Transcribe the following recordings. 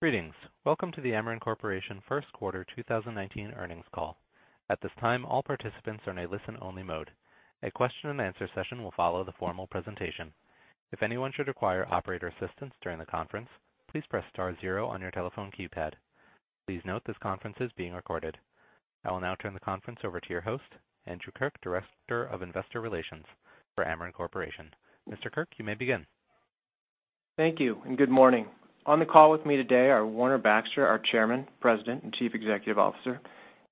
Greetings. Welcome to the Ameren Corporation first quarter 2019 earnings call. At this time, all participants are in a listen-only mode. A question and answer session will follow the formal presentation. If anyone should require operator assistance during the conference, please press star zero on your telephone keypad. Please note this conference is being recorded. I will now turn the conference over to your host, Andrew Kirk, Director of Investor Relations for Ameren Corporation. Mr. Kirk, you may begin. Thank you. Good morning. On the call with me today are Warner Baxter, our Chairman, President, and Chief Executive Officer,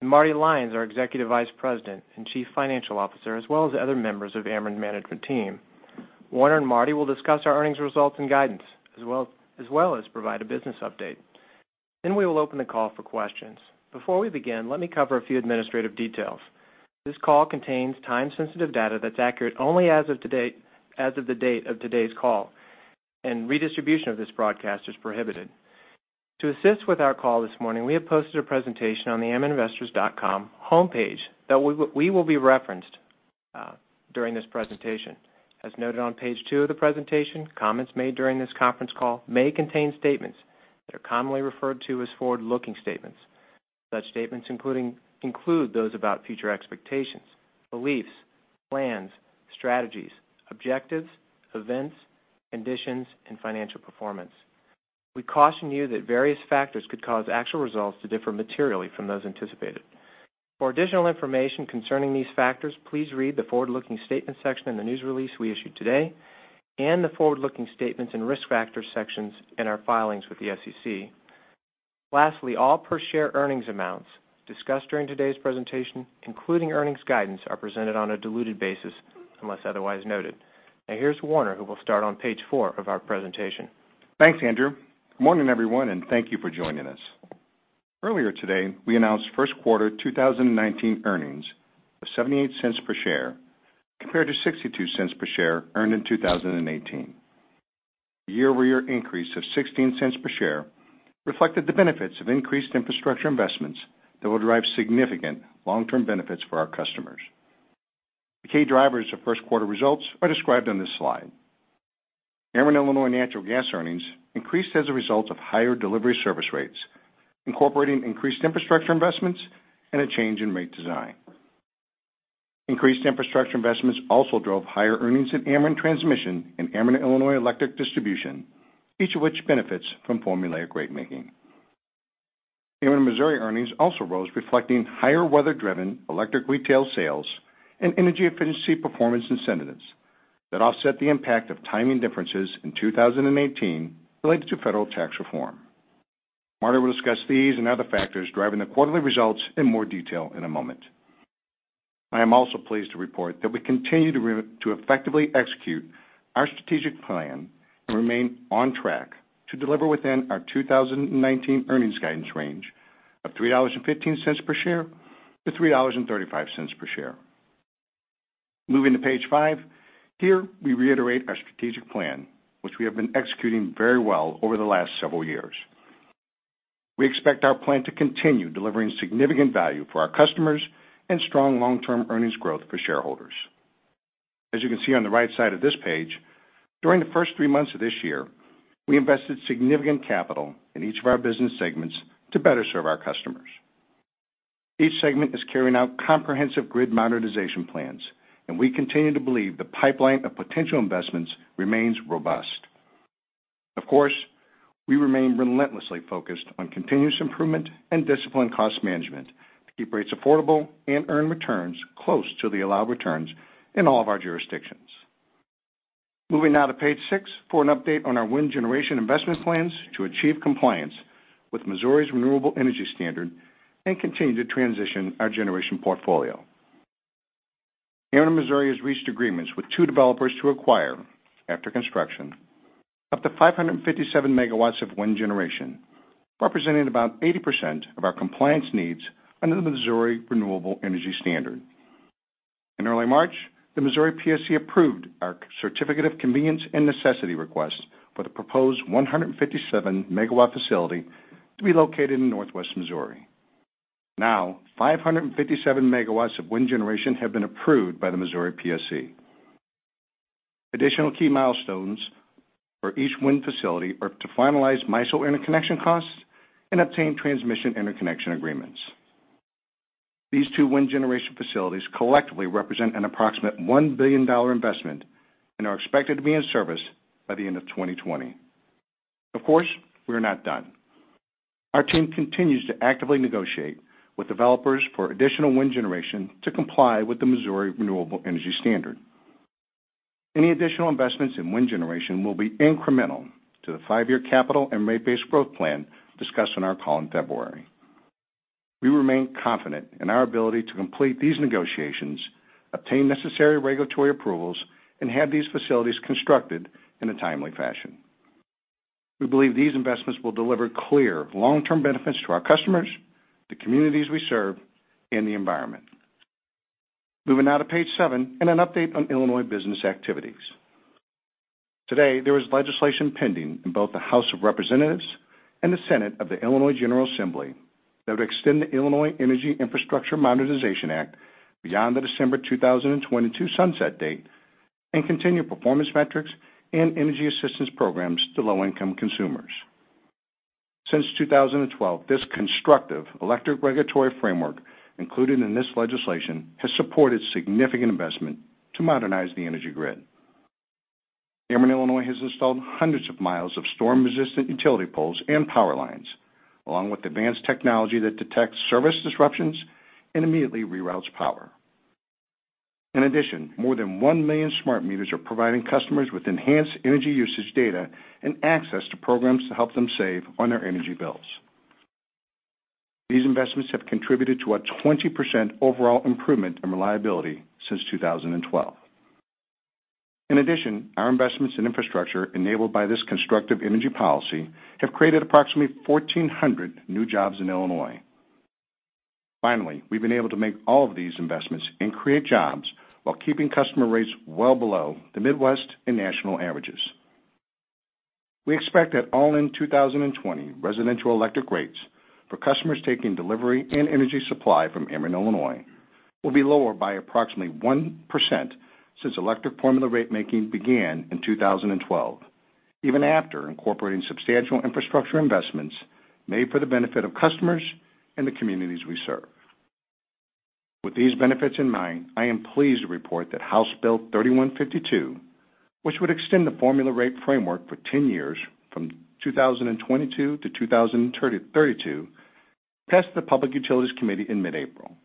and Marty Lyons, our Executive Vice President and Chief Financial Officer, as well as other members of Ameren management team. Warner and Marty will discuss our earnings results and guidance, as well as provide a business update. We will open the call for questions. Before we begin, let me cover a few administrative details. This call contains time-sensitive data that's accurate only as of the date of today's call. Redistribution of this broadcast is prohibited. To assist with our call this morning, we have posted a presentation on the amereninvestors.com homepage that will be referenced during this presentation. As noted on page two of the presentation, comments made during this conference call may contain statements that are commonly referred to as forward-looking statements. Such statements include those about future expectations, beliefs, plans, strategies, objectives, events, conditions, and financial performance. We caution you that various factors could cause actual results to differ materially from those anticipated. For additional information concerning these factors, please read the forward-looking statements section in the news release we issued today and the forward-looking statements and risk factor sections in our filings with the SEC. Lastly, all per-share earnings amounts discussed during today's presentation, including earnings guidance, are presented on a diluted basis unless otherwise noted. Now here's Warner, who will start on page four of our presentation. Thanks, Andrew. Good morning, everyone. Thank you for joining us. Earlier today, we announced first quarter 2019 earnings of $0.78 per share compared to $0.62 per share earned in 2018. The year-over-year increase of $0.16 per share reflected the benefits of increased infrastructure investments that will drive significant long-term benefits for our customers. The key drivers of first quarter results are described on this slide. Ameren Illinois Natural Gas earnings increased as a result of higher delivery service rates, incorporating increased infrastructure investments and a change in rate design. Increased infrastructure investments also drove higher earnings at Ameren Transmission and Ameren Illinois Electric Distribution, each of which benefits from formula rate making. Ameren Missouri earnings also rose, reflecting higher weather-driven electric retail sales and energy efficiency performance incentives that offset the impact of timing differences in 2018 related to federal tax reform. Marty will discuss these and other factors driving the quarterly results in more detail in a moment. I am also pleased to report that we continue to effectively execute our strategic plan and remain on track to deliver within our 2019 earnings guidance range of $3.15 per share to $3.35 per share. Moving to page five. Here, we reiterate our strategic plan, which we have been executing very well over the last several years. We expect our plan to continue delivering significant value for our customers and strong long-term earnings growth for shareholders. As you can see on the right side of this page, during the first three months of this year, we invested significant capital in each of our business segments to better serve our customers. Each segment is carrying out comprehensive grid modernization plans. We continue to believe the pipeline of potential investments remains robust. Of course, we remain relentlessly focused on continuous improvement and disciplined cost management to keep rates affordable and earn returns close to the allowed returns in all of our jurisdictions. Moving now to page six for an update on our wind generation investment plans to achieve compliance with Missouri Renewable Energy Standard and continue to transition our generation portfolio. Ameren Missouri has reached agreements with two developers to acquire, after construction, up to 557 megawatts of wind generation, representing about 80% of our compliance needs under the Missouri Renewable Energy Standard. In early March, the Missouri PSC approved our Certificate of Convenience and Necessity request for the proposed 157-megawatt facility to be located in Northwest Missouri. Now, 557 megawatts of wind generation have been approved by the Missouri PSC. Additional key milestones for each wind facility are to finalize MISO interconnection costs and obtain transmission interconnection agreements. These two wind generation facilities collectively represent an approximate $1 billion investment and are expected to be in service by the end of 2020. Of course, we are not done. Our team continues to actively negotiate with developers for additional wind generation to comply with the Missouri Renewable Energy Standard. Any additional investments in wind generation will be incremental to the 5-year capital and rate-base growth plan discussed on our call in February. We remain confident in our ability to complete these negotiations, obtain necessary regulatory approvals, and have these facilities constructed in a timely fashion. We believe these investments will deliver clear long-term benefits to our customers, the communities we serve, and the environment. Moving now to page seven and an update on Illinois business activities. Today, there is legislation pending in both the House of Representatives and the Senate of the Illinois General Assembly that would extend the Illinois Energy Infrastructure Modernization Act beyond the December 2022 sunset date and continue performance metrics and energy assistance programs to low-income consumers. Since 2012, this constructive electric regulatory framework included in this legislation has supported significant investment to modernize the energy grid. Ameren Illinois has installed hundreds of miles of storm-resistant utility poles and power lines, along with advanced technology that detects service disruptions and immediately reroutes power. In addition, more than 1 million smart meters are providing customers with enhanced energy usage data and access to programs to help them save on their energy bills. These investments have contributed to a 20% overall improvement in reliability since 2012. In addition, our investments in infrastructure enabled by this constructive energy policy have created approximately 1,400 new jobs in Illinois. Finally, we've been able to make all of these investments and create jobs while keeping customer rates well below the Midwest and national averages. We expect that all in 2020, residential electric rates for customers taking delivery and energy supply from Ameren Illinois will be lower by approximately 1% since electric formula ratemaking began in 2012, even after incorporating substantial infrastructure investments made for the benefit of customers and the communities we serve. With these benefits in mind, I am pleased to report that House Bill 3152, which would extend the formula rate framework for 10 years, from 2022 to 2032, passed the Public Utilities Committee in mid-April.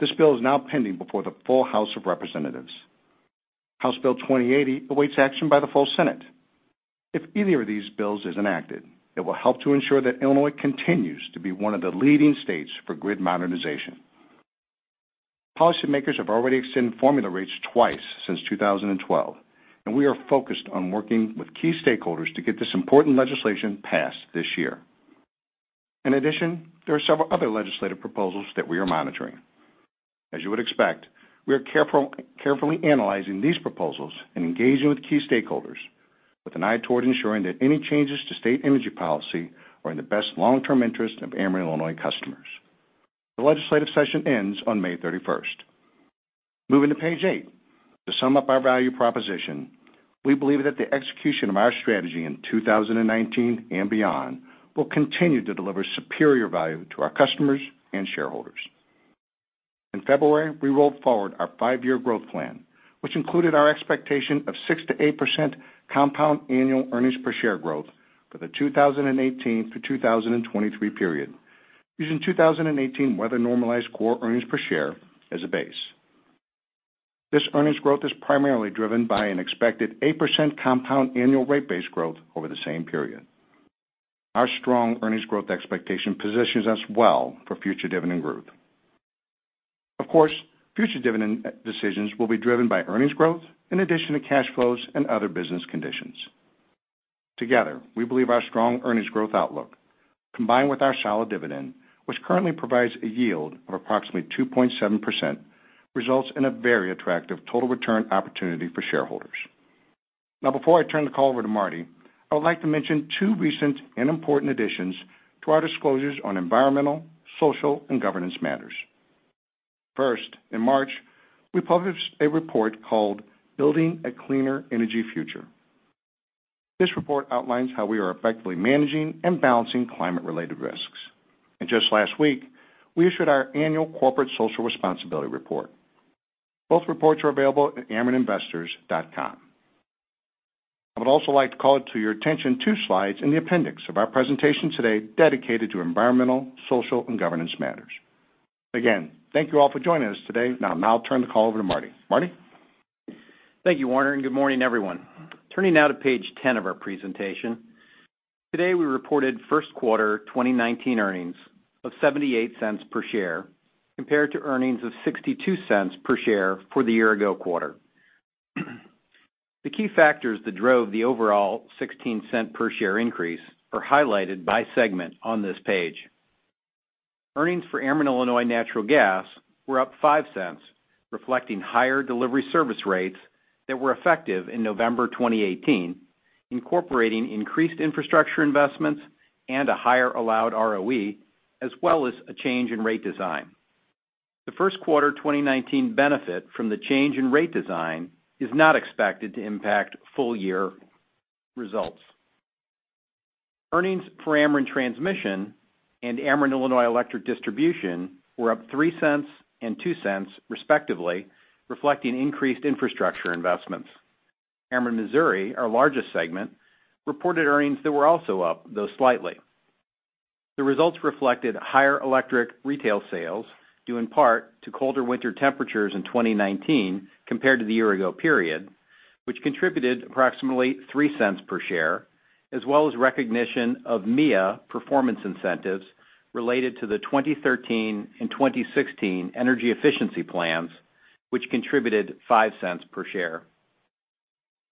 This bill is now pending before the full House of Representatives. House Bill 2080 awaits action by the full Senate. If either of these bills is enacted, it will help to ensure that Illinois continues to be one of the leading states for grid modernization. Policymakers have already extended formula rates twice since 2012, and we are focused on working with key stakeholders to get this important legislation passed this year. In addition, there are several other legislative proposals that we are monitoring. As you would expect, we are carefully analyzing these proposals and engaging with key stakeholders with an eye toward ensuring that any changes to state energy policy are in the best long-term interest of Ameren Illinois customers. The legislative session ends on May 31st. Moving to page eight, to sum up our value proposition, we believe that the execution of our strategy in 2019 and beyond will continue to deliver superior value to our customers and shareholders. In February, we rolled forward our five-year growth plan, which included our expectation of 6%-8% compound annual earnings per share growth for the 2018 to 2023 period, using 2018 weather-normalized core earnings per share as a base. This earnings growth is primarily driven by an expected 8% compound annual rate base growth over the same period. Our strong earnings growth expectation positions us well for future dividend growth. Of course, future dividend decisions will be driven by earnings growth in addition to cash flows and other business conditions. Together, we believe our strong earnings growth outlook, combined with our solid dividend, which currently provides a yield of approximately 2.7%, results in a very attractive total return opportunity for shareholders. Now, before I turn the call over to Marty, I would like to mention two recent and important additions to our disclosures on environmental, social, and governance matters. First, in March, we published a report called Building a Cleaner Energy Future. This report outlines how we are effectively managing and balancing climate-related risks. Just last week, we issued our annual corporate social responsibility report. Both reports are available at amereninvestors.com. I would also like to call to your attention two slides in the appendix of our presentation today dedicated to environmental, social, and governance matters. Again, thank you all for joining us today. Now I'll turn the call over to Marty. Marty? Thank you, Warner, and good morning, everyone. Turning now to page 10 of our presentation. Today, we reported first quarter 2019 earnings of $0.78 per share compared to earnings of $0.62 per share for the year-ago quarter. The key factors that drove the overall $0.16 per share increase are highlighted by segment on this page. Earnings for Ameren Illinois Natural Gas were up $0.05, reflecting higher delivery service rates that were effective in November 2018, incorporating increased infrastructure investments and a higher allowed ROE, as well as a change in rate design. The first quarter 2019 benefit from the change in rate design is not expected to impact full-year results. Earnings for Ameren Transmission and Ameren Illinois Electric Distribution were up $0.03 and $0.02, respectively, reflecting increased infrastructure investments. Ameren Missouri, our largest segment, reported earnings that were also up, though slightly. The results reflected higher electric retail sales, due in part to colder winter temperatures in 2019 compared to the year-ago period, which contributed approximately $0.03 per share, as well as recognition of MEEIA performance incentives related to the 2013 and 2016 energy efficiency plans, which contributed $0.05 per share.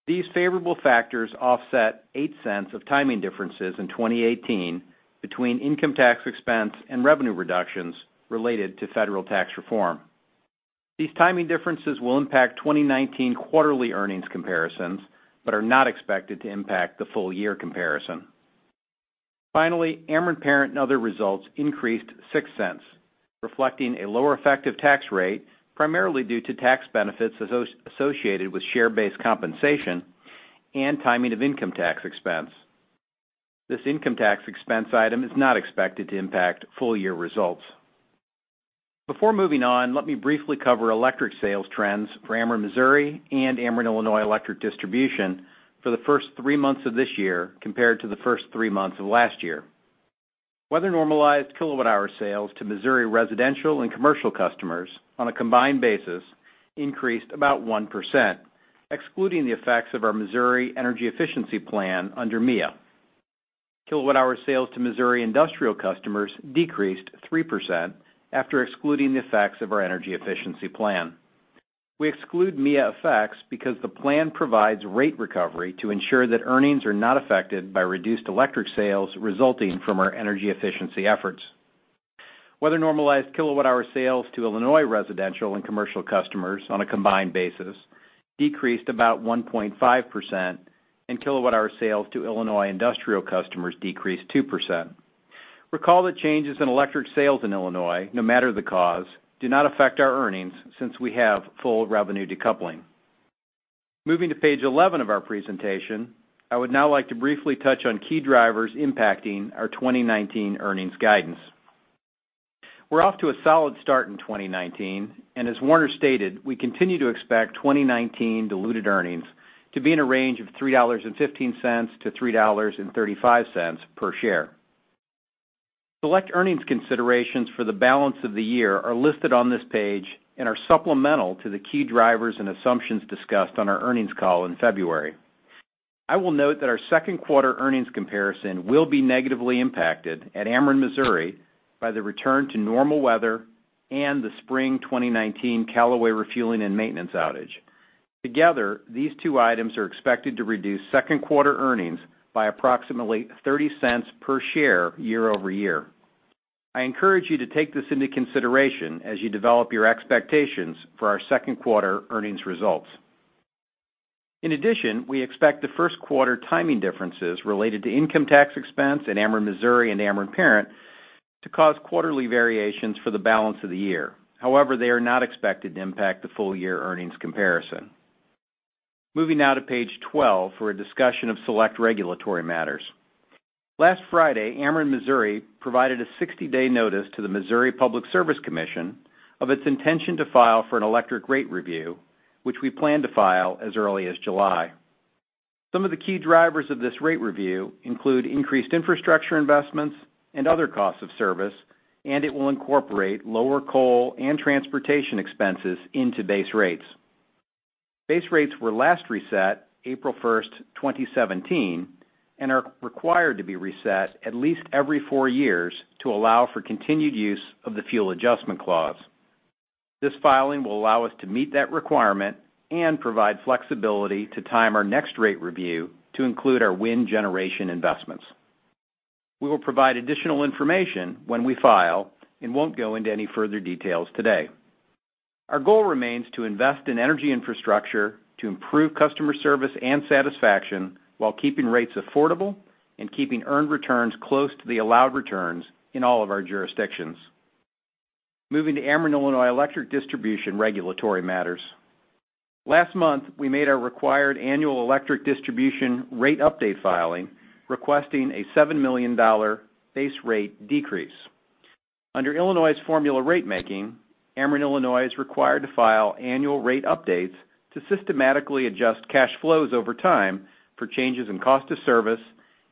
These favorable factors offset $0.08 of timing differences in 2018 between income tax expense and revenue reductions related to federal tax reform. These timing differences will impact 2019 quarterly earnings comparisons, but are not expected to impact the full-year comparison. Finally, Ameren Parent and other results increased $0.06, reflecting a lower effective tax rate, primarily due to tax benefits associated with share-based compensation and timing of income tax expense. This income tax expense item is not expected to impact full-year results. Before moving on, let me briefly cover electric sales trends for Ameren Missouri and Ameren Illinois Electric Distribution for the first three months of this year compared to the first three months of last year. Weather-normalized kilowatt-hour sales to Missouri residential and commercial customers on a combined basis increased about 1%, excluding the effects of our Missouri energy efficiency plan under MEEIA. Kilowatt-hour sales to Missouri industrial customers decreased 3% after excluding the effects of our energy efficiency plan. We exclude MEEIA effects because the plan provides rate recovery to ensure that earnings are not affected by reduced electric sales resulting from our energy efficiency efforts. Weather-normalized kilowatt-hour sales to Illinois residential and commercial customers on a combined basis decreased about 1.5%, and kilowatt-hour sales to Illinois industrial customers decreased 2%. Recall that changes in electric sales in Illinois, no matter the cause, do not affect our earnings since we have full revenue decoupling. Moving to page 11 of our presentation, I would now like to briefly touch on key drivers impacting our 2019 earnings guidance. We're off to a solid start in 2019, and as Warner stated, we continue to expect 2019 diluted earnings to be in a range of $3.15-$3.35 per share. Select earnings considerations for the balance of the year are listed on this page and are supplemental to the key drivers and assumptions discussed on our earnings call in February. I will note that our second quarter earnings comparison will be negatively impacted at Ameren Missouri by the return to normal weather and the spring 2019 Callaway refueling and maintenance outage. Together, these two items are expected to reduce second quarter earnings by approximately $0.30 per share year-over-year. I encourage you to take this into consideration as you develop your expectations for our second quarter earnings results. In addition, we expect the first quarter timing differences related to income tax expense at Ameren Missouri and Ameren Parent to cause quarterly variations for the balance of the year. However, they are not expected to impact the full-year earnings comparison. Moving now to page 12 for a discussion of select regulatory matters. Last Friday, Ameren Missouri provided a 60-day notice to the Missouri Public Service Commission of its intention to file for an electric rate review, which we plan to file as early as July. Some of the key drivers of this rate review include increased infrastructure investments and other costs of service. It will incorporate lower coal and transportation expenses into base rates. Base rates were last reset April 1st, 2017, and are required to be reset at least every four years to allow for continued use of the fuel adjustment clause. This filing will allow us to meet that requirement and provide flexibility to time our next rate review to include our wind generation investments. We will provide additional information when we file and won't go into any further details today. Our goal remains to invest in energy infrastructure to improve customer service and satisfaction while keeping rates affordable and keeping earned returns close to the allowed returns in all of our jurisdictions. Moving to Ameren Illinois Electric Distribution regulatory matters. Last month, we made our required annual electric distribution rate update filing, requesting a $7 million base rate decrease. Under Illinois' formula rate making, Ameren Illinois is required to file annual rate updates to systematically adjust cash flows over time for changes in cost of service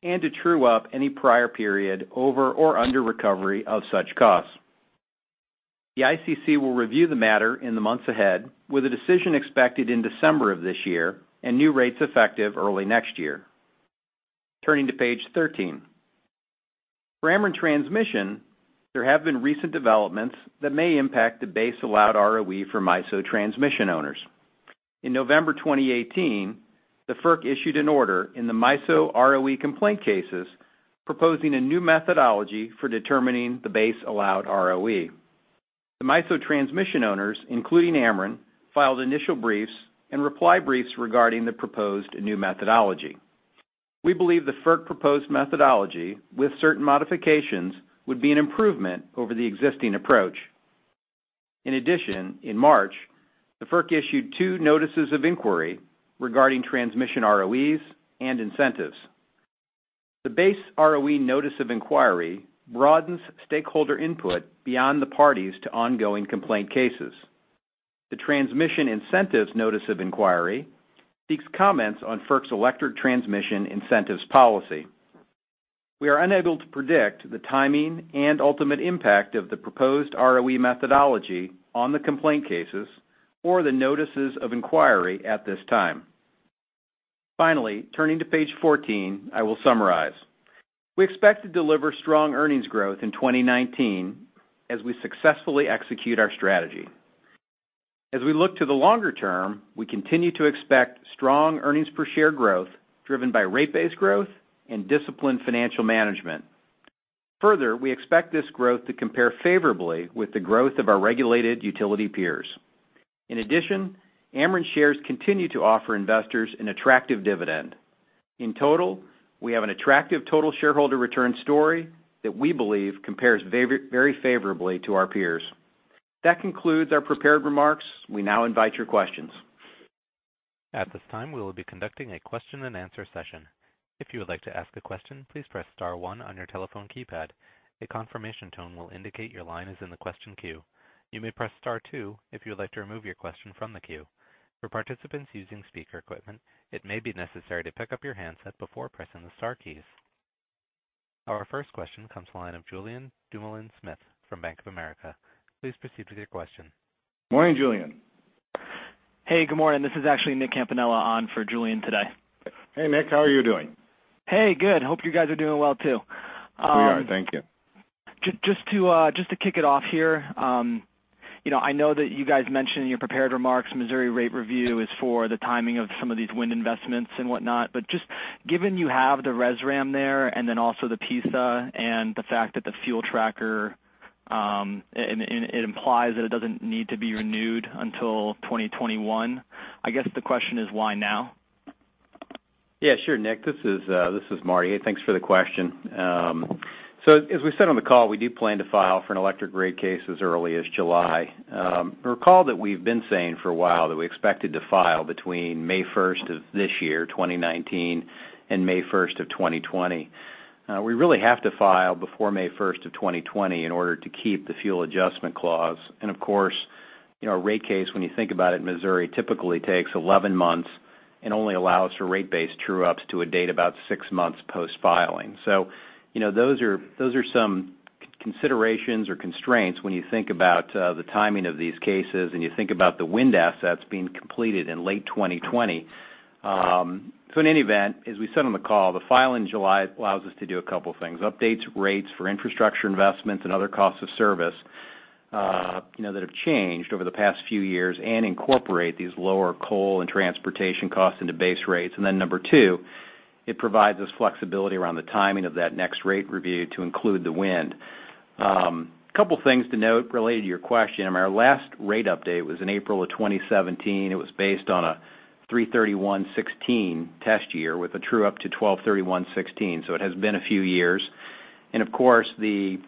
and to true up any prior period over or under recovery of such costs. The ICC will review the matter in the months ahead, with a decision expected in December of this year and new rates effective early next year. Turning to page 13. For Ameren Transmission, there have been recent developments that may impact the base allowed ROE for MISO transmission owners. In November 2018, the FERC issued an order in the MISO ROE complaint cases proposing a new methodology for determining the base allowed ROE. The MISO transmission owners, including Ameren, filed initial briefs and reply briefs regarding the proposed new methodology. We believe the FERC proposed methodology, with certain modifications, would be an improvement over the existing approach. In March, the FERC issued two notices of inquiry regarding transmission ROEs and incentives. The base ROE notice of inquiry broadens stakeholder input beyond the parties to ongoing complaint cases. The transmission incentives notice of inquiry seeks comments on FERC's electric transmission incentives policy. We are unable to predict the timing and ultimate impact of the proposed ROE methodology on the complaint cases or the notices of inquiry at this time. Finally, turning to page 14, I will summarize. We expect to deliver strong earnings growth in 2019 as we successfully execute our strategy. As we look to the longer term, we continue to expect strong earnings-per-share growth driven by rate-based growth and disciplined financial management. We expect this growth to compare favorably with the growth of our regulated utility peers. In addition, Ameren shares continue to offer investors an attractive dividend. In total, we have an attractive total shareholder return story that we believe compares very favorably to our peers. That concludes our prepared remarks. We now invite your questions. At this time, we will be conducting a question and answer session. If you would like to ask a question, please press star one on your telephone keypad. A confirmation tone will indicate your line is in the question queue. You may press star two if you would like to remove your question from the queue. For participants using speaker equipment, it may be necessary to pick up your handset before pressing the star keys. Our first question comes to the line of Julien Dumoulin-Smith from Bank of America. Please proceed with your question. Morning, Julien. Hey, good morning. This is actually Nicholas Campanella on for Julien today. Hey, Nick. How are you doing? Hey, good. Hope you guys are doing well too. We are. Thank you. Just to kick it off here. I know that you guys mentioned in your prepared remarks, Missouri rate review is for the timing of some of these wind investments and whatnot, but just given you have the RESRAM there and then also the PISA and the fact that the fuel tracker, it implies that it doesn't need to be renewed until 2021. I guess the question is, why now? Sure, Nick. This is Marty. Thanks for the question. As we said on the call, we do plan to file for an electric rate case as early as July. Recall that we've been saying for a while that we expected to file between May 1st of this year, 2019, and May 1st of 2020. We really have to file before May 1st of 2020 in order to keep the fuel adjustment clause. Of course, a rate case, when you think about it, Missouri typically takes 11 months and only allows for rate-based true-ups to a date about 6 months post-filing. Those are some considerations or constraints when you think about the timing of these cases and you think about the wind assets being completed in late 2020. In any event, as we said on the call, the file in July allows us to do a couple of things: updates rates for infrastructure investments and other costs of service that have changed over the past few years and incorporate these lower coal and transportation costs into base rates. Number 2, it provides us flexibility around the timing of that next rate review to include the wind. Couple things to note related to your question. Our last rate update was in April of 2017. It was based on a 3/31/16 test year with a true-up to 12/31/16. It has been a few years. Of course, the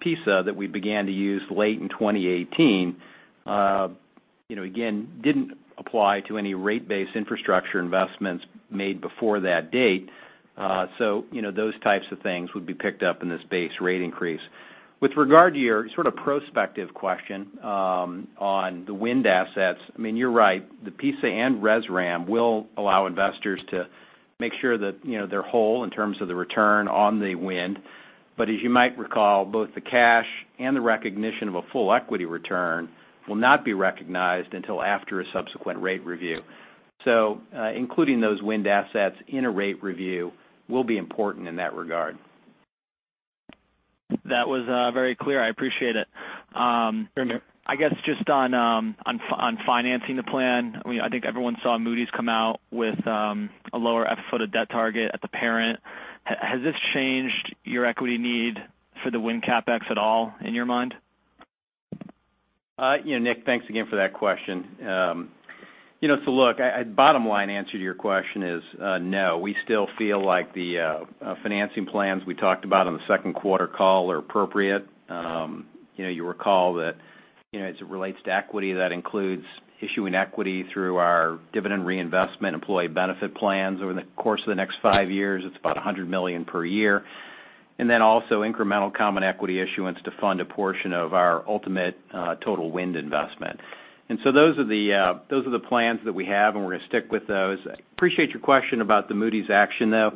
PISA that we began to use late in 2018, again, didn't apply to any rate-based infrastructure investments made before that date. Those types of things would be picked up in this base rate increase. With regard to your sort of prospective question on the wind assets, I mean, you're right, the PISA and RESRAM will allow investors to make sure that they're whole in terms of the return on the wind. As you might recall, both the cash and the recognition of a full equity return will not be recognized until after a subsequent rate review. Including those wind assets in a rate review will be important in that regard. That was very clear. I appreciate it. Sure. I guess just on financing the plan, I think everyone saw Moody's come out with a lower FFO to debt target at the parent. Has this changed your equity need for the wind CapEx at all in your mind? Nick, thanks again for that question. Look, bottom line answer to your question is no. We still feel like the financing plans we talked about on the second quarter call are appropriate. You recall that as it relates to equity, that includes issuing equity through our dividend reinvestment employee benefit plans over the course of the next five years. It's about $100 million per year. Also incremental common equity issuance to fund a portion of our ultimate total wind investment. Those are the plans that we have, and we're going to stick with those. I appreciate your question about the Moody's action, though.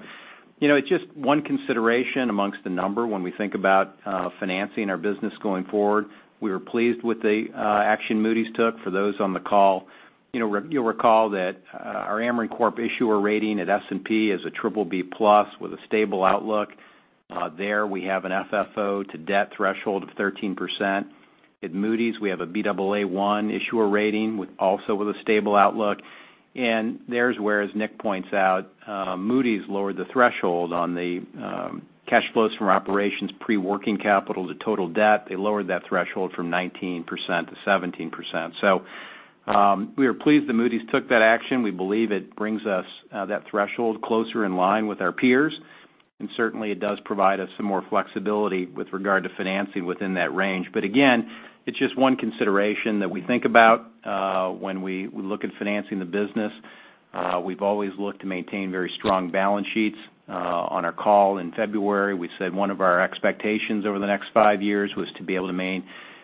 It's just one consideration amongst the number when we think about financing our business going forward. We were pleased with the action Moody's took. For those on the call, you'll recall that our Ameren Corp issuer rating at S&P is a BBB+ with a stable outlook. There, we have an FFO to debt threshold of 13%. At Moody's, we have a Baa1 issuer rating, also with a stable outlook. There's where, as Nick points out, Moody's lowered the threshold on the cash flows from operations pre-working capital to total debt. They lowered that threshold from 19% to 17%. We are pleased that Moody's took that action. We believe it brings us that threshold closer in line with our peers, and certainly it does provide us some more flexibility with regard to financing within that range. Again, it's just one consideration that we think about when we look at financing the business. We've always looked to maintain very strong balance sheets. On our call in February, we said one of our expectations over the next five years was to be able to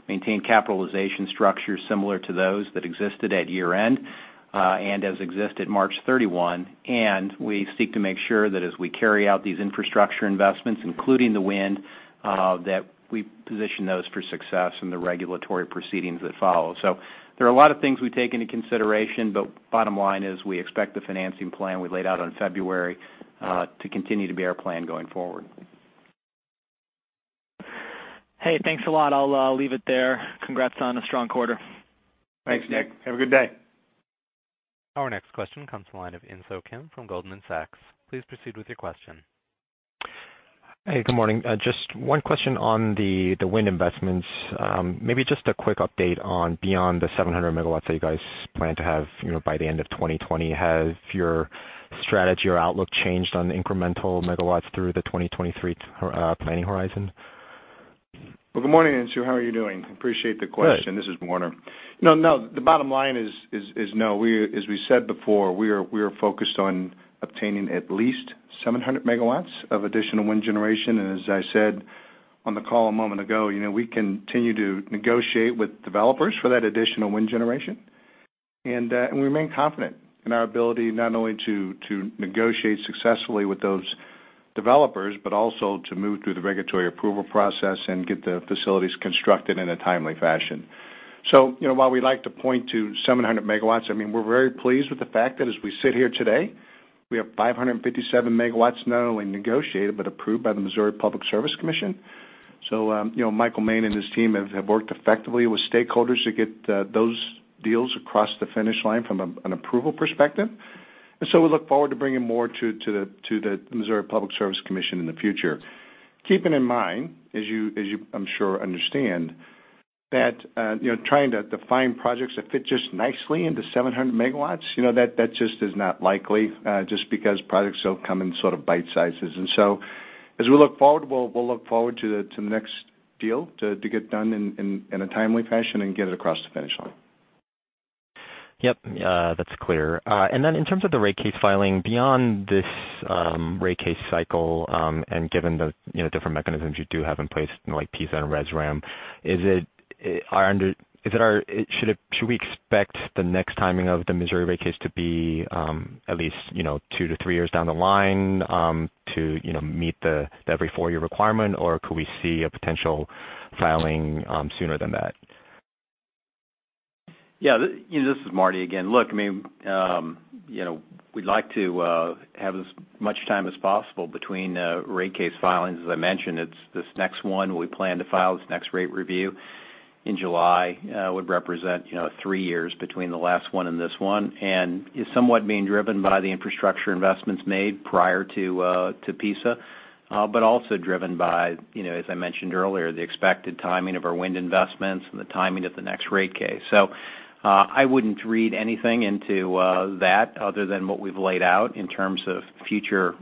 maintain capitalization structures similar to those that existed at year-end and as exist at March 31. We seek to make sure that as we carry out these infrastructure investments, including the wind, that we position those for success in the regulatory proceedings that follow. There are a lot of things we take into consideration, but bottom line is we expect the financing plan we laid out in February to continue to be our plan going forward. Hey, thanks a lot. I'll leave it there. Congrats on a strong quarter. Thanks, Nick. Have a good day. Our next question comes to the line of Insoo Kim from Goldman Sachs. Please proceed with your question. Hey, good morning. Just one question on the wind investments. Maybe just a quick update on beyond the 700 megawatts that you guys plan to have by the end of 2020. Has your strategy or outlook changed on incremental megawatts through the 2023 planning horizon? Well, good morning, Insoo. How are you doing? Appreciate the question. Good. This is Warner. No, the bottom line is no. As we said before, we are focused on obtaining at least 700 megawatts of additional wind generation. As I said on the call a moment ago, we continue to negotiate with developers for that additional wind generation. We remain confident in our ability not only to negotiate successfully with those developers, but also to move through the regulatory approval process and get the facilities constructed in a timely fashion. While we like to point to 700 megawatts, we are very pleased with the fact that as we sit here today, we have 557 megawatts not only negotiated but approved by the Missouri Public Service Commission. Michael Moehn and his team have worked effectively with stakeholders to get those deals across the finish line from an approval perspective. We look forward to bringing more to the Missouri Public Service Commission in the future. Keeping in mind, as you I'm sure understand, that trying to define projects that fit just nicely into 700 megawatts, that just is not likely, just because projects don't come in bite sizes. As we look forward, we'll look forward to the next deal to get done in a timely fashion and get it across the finish line. Yep. That's clear. In terms of the rate case filing, beyond this rate case cycle, and given the different mechanisms you do have in place like PISA and RESRAM, should we expect the next timing of the Missouri rate case to be at least two to three years down the line to meet the every four-year requirement? Could we see a potential filing sooner than that? This is Marty again. Look, we'd like to have as much time as possible between rate case filings. As I mentioned, it's this next one we plan to file, this next rate review in July, would represent three years between the last one and this one and is somewhat being driven by the infrastructure investments made prior to PISA, but also driven by, as I mentioned earlier, the expected timing of our wind investments and the timing of the next rate case. I wouldn't read anything into that other than what we've laid out in terms of future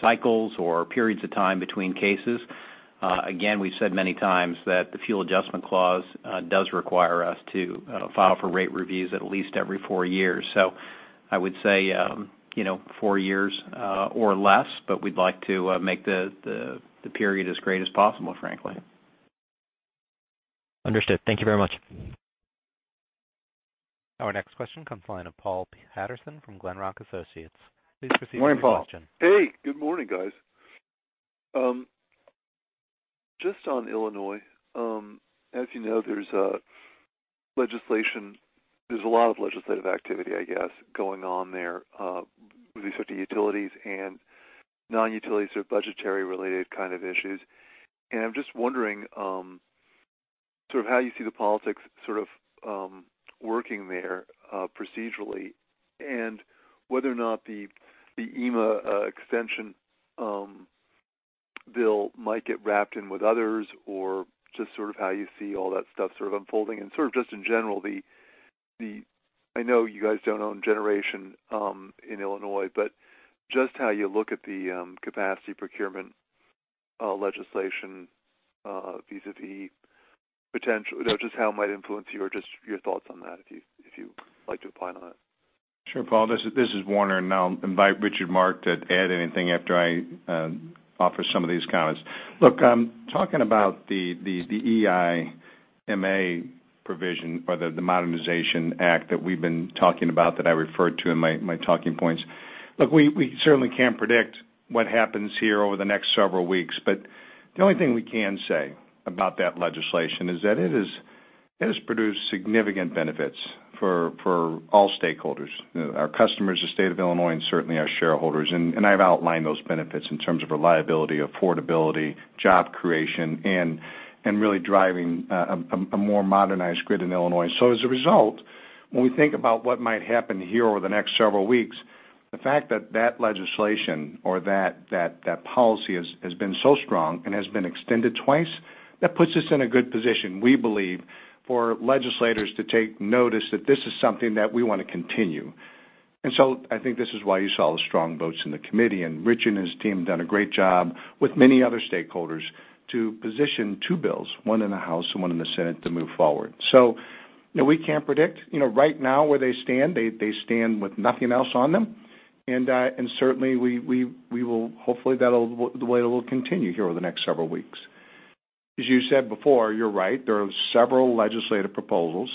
cycles or periods of time between cases. Again, we've said many times that the fuel adjustment clause does require us to file for rate reviews at least every four years. I would say four years or less, but we'd like to make the period as great as possible, frankly. Understood. Thank you very much. Our next question comes the line of Paul Patterson from Glenrock Associates. Please proceed with your question. Morning, Paul. Hey, good morning, guys. Just on Illinois, as you know, there's a lot of legislative activity, I guess, going on there, with respect to utilities and non-utilities or budgetary-related kind of issues. I'm just wondering how you see the politics working there procedurally, and whether or not the EIMA extension bill might get wrapped in with others or just how you see all that stuff unfolding. Just in general, I know you guys don't own generation in Illinois, just how you look at the capacity procurement legislation vis-a-vis potential, just how it might influence you or just your thoughts on that, if you'd like to opine on that. Sure, Paul. This is Warner, I'll invite Richard Mark to add anything after I offer some of these comments. Look, talking about the EIMA provision or the Modernization Act that we've been talking about that I referred to in my talking points. Look, we certainly can't predict what happens here over the next several weeks, the only thing we can say about that legislation is that it has produced significant benefits for all stakeholders, our customers, the state of Illinois, and certainly our shareholders. I've outlined those benefits in terms of reliability, affordability, job creation, and really driving a more modernized grid in Illinois. As a result, when we think about what might happen here over the next several weeks, the fact that that legislation or that policy has been so strong and has been extended twice, that puts us in a good position, we believe, for legislators to take notice that this is something that we want to continue. I think this is why you saw the strong votes in the committee, and Rich and his team have done a great job with many other stakeholders to position two bills, one in the House and one in the Senate, to move forward. We can't predict right now where they stand. They stand with nothing else on them. Certainly, hopefully, that will continue here over the next several weeks. As you said before, you're right. There are several legislative proposals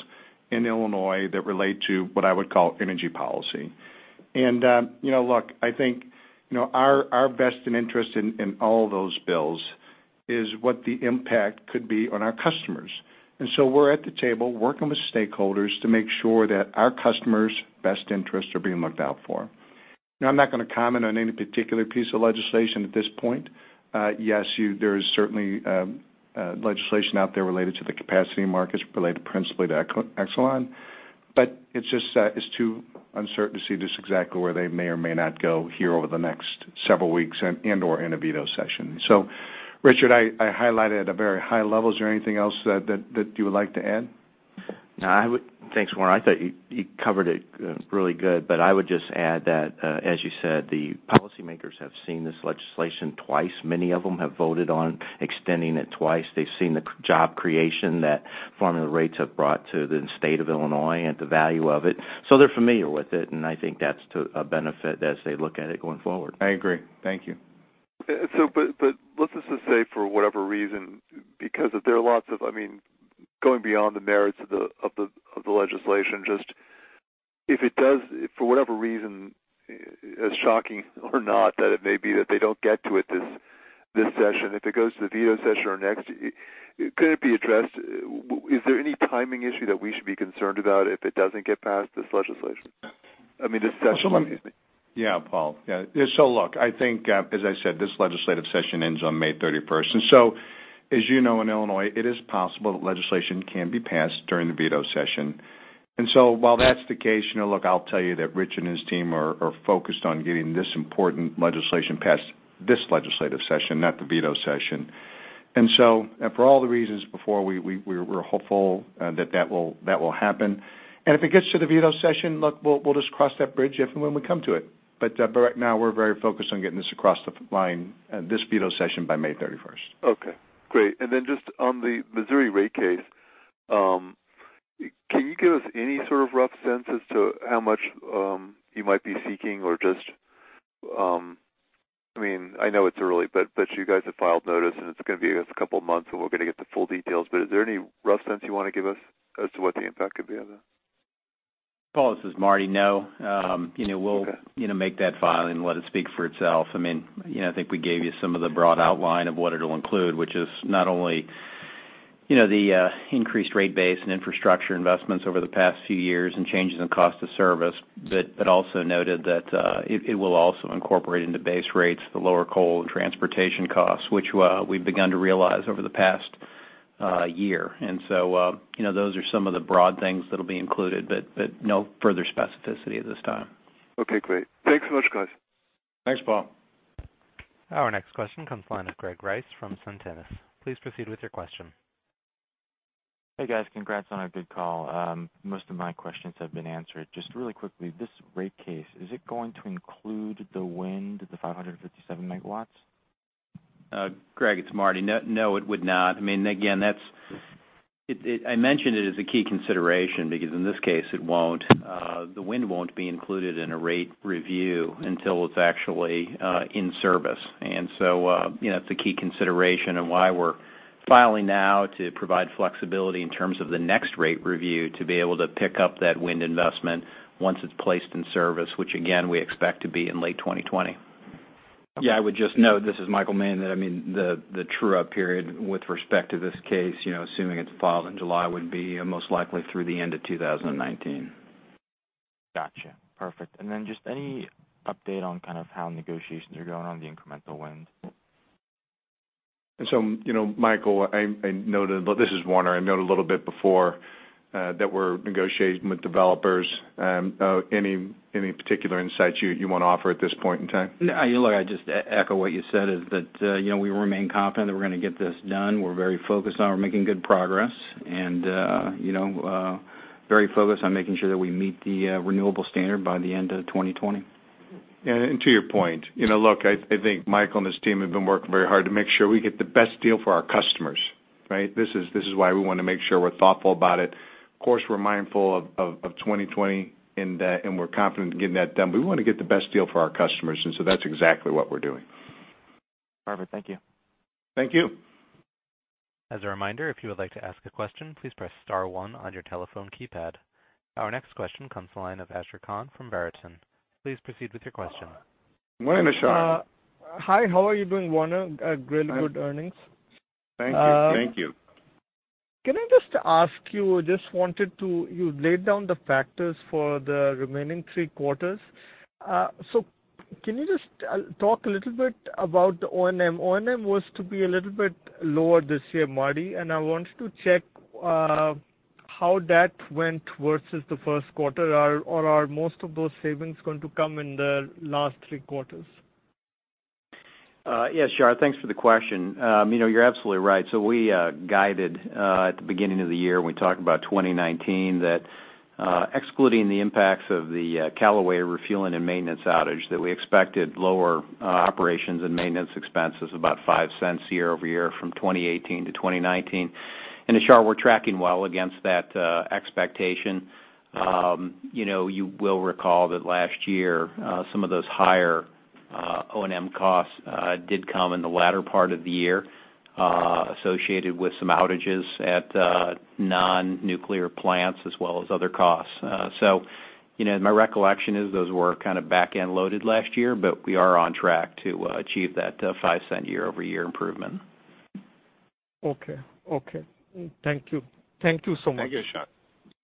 in Illinois that relate to what I would call energy policy. Look, I think our best interest in all those bills is what the impact could be on our customers. We're at the table working with stakeholders to make sure that our customers' best interests are being looked out for. No, I'm not going to comment on any particular piece of legislation at this point. Yes, there is certainly legislation out there related to the capacity markets related principally to Exelon. It's just that it's too uncertain to see just exactly where they may or may not go here over the next several weeks and/or in a veto session. Richard, I highlighted at a very high level. Is there anything else that you would like to add? Thanks, Warner. I thought you covered it really good. I would just add that, as you said, the policymakers have seen this legislation twice. Many of them have voted on extending it twice. They've seen the job creation that formula rates have brought to the state of Illinois and the value of it. They're familiar with it, and I think that's a benefit as they look at it going forward. I agree. Thank you. Let's just say for whatever reason, because there are lots of, going beyond the merits of the legislation, just if it does, for whatever reason, as shocking or not that it may be, that they don't get to it this session, if it goes to the veto session or next, could it be addressed? Is there any timing issue that we should be concerned about if it doesn't get past this legislation? I mean, this session, excuse me. Paul. Look, I think, as I said, this legislative session ends on May 31st. As you know, in Illinois, it is possible that legislation can be passed during the veto session. While that's the case, look, I'll tell you that Rich and his team are focused on getting this important legislation passed this legislative session, not the veto session. For all the reasons before, we're hopeful that that will happen. If it gets to the veto session, look, we'll just cross that bridge if and when we come to it. Right now, we're very focused on getting this across the line, this veto session by May 31st. Okay, great. Just on the Missouri rate case, can you give us any sort of rough sense as to how much you might be seeking? I know it's early, but you guys have filed notice, and it's going to be a couple of months until we're going to get the full details. Is there any rough sense you want to give us as to what the impact could be on that? Paul, this is Marty. No. Okay. We'll make that filing and let it speak for itself. I think we gave you some of the broad outline of what it'll include, which is not only the increased rate base and infrastructure investments over the past few years and changes in cost of service, also noted that it will also incorporate into base rates the lower coal and transportation costs, which we've begun to realize over the past year. Those are some of the broad things that'll be included, no further specificity at this time. Okay, great. Thanks so much, guys. Thanks, Paul. Our next question comes the line of Greg Rice from SunTrust. Please proceed with your question. Hey, guys. Congrats on a good call. Most of my questions have been answered. Just really quickly, this rate case, is it going to include the wind, the 557 megawatts? Greg, it's Marty. No, it would not. Again, I mentioned it as a key consideration because in this case, it won't. The wind won't be included in a rate review until it's actually in service. So, it's a key consideration and why we're filing now to provide flexibility in terms of the next rate review to be able to pick up that wind investment once it's placed in service, which again, we expect to be in late 2020. Yeah, I would just note, this is Michael Moehn, that the true-up period with respect to this case, assuming it's filed in July, would be most likely through the end of 2019. Got you. Perfect. Just any update on kind of how negotiations are going on the incremental wind? Michael, this is Warner. I noted a little bit before that we're negotiating with developers. Any particular insights you want to offer at this point in time? No. Look, I just echo what you said is that we remain confident that we're going to get this done. We're very focused on making good progress and very focused on making sure that we meet the renewable standard by the end of 2020. To your point, look, I think Michael and his team have been working very hard to make sure we get the best deal for our customers. Right? This is why we want to make sure we're thoughtful about it. Of course, we're mindful of 2020. We're confident in getting that done. We want to get the best deal for our customers. That's exactly what we're doing. Perfect. Thank you. Thank you. As a reminder, if you would like to ask a question, please press star one on your telephone keypad. Our next question comes the line of Shar Khan from Verition. Please proceed with your question. Morning, Shar. Hi. How are you doing, Warner? Great good earnings. Thank you. Can I just ask you laid down the factors for the remaining three quarters. Can you just talk a little bit about the O&M? O&M was to be a little bit lower this year, Marty, and I wanted to check how that went versus the first quarter. Are most of those savings going to come in the last three quarters? Yes, Shar. Thanks for the question. You're absolutely right. We guided at the beginning of the year when we talked about 2019 that excluding the impacts of the Callaway refueling and maintenance outage, that we expected lower operations and maintenance expenses, about $0.05 year-over-year from 2018 to 2019. Shar, we're tracking well against that expectation. You will recall that last year, some of those higher O&M costs did come in the latter part of the year associated with some outages at non-nuclear plants as well as other costs. My recollection is those were kind of back-end loaded last year, but we are on track to achieve that $0.05 year-over-year improvement. Okay. Thank you so much. Thank you, Ashar.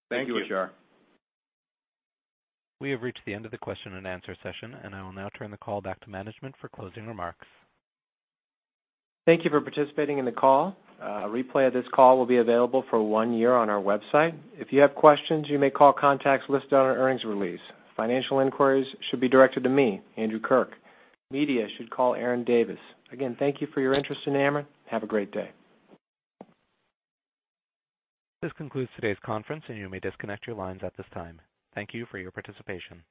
Thank you, Ashar. We have reached the end of the question and answer session. I will now turn the call back to management for closing remarks. Thank you for participating in the call. A replay of this call will be available for one year on our website. If you have questions, you may call contacts listed on our earnings release. Financial inquiries should be directed to me, Andrew Kirk. Media should call Aaron Davis. Again, thank you for your interest in Ameren. Have a great day. This concludes today's conference. You may disconnect your lines at this time. Thank you for your participation.